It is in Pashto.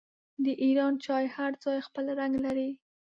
د ایران چای هر ځای خپل رنګ لري.